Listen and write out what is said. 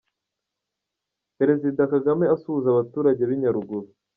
Perezida Kagame asuhuza abaturage b' i Nyaruguru.